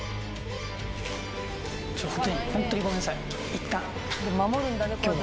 いったん。